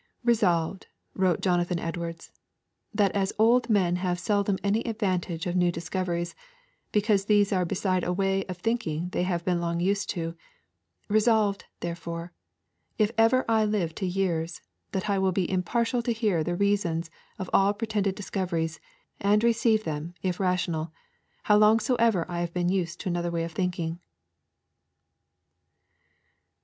'Resolved,' wrote Jonathan Edwards, 'that as old men have seldom any advantage of new discoveries, because these are beside a way of thinking they have been long used to; resolved, therefore, if ever I live to years, that I will be impartial to hear the reasons of all pretended discoveries, and receive them, if rational, how long soever I have been used to another way of thinking.'